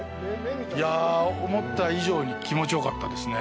いや、思った以上に気持ちよかったですね。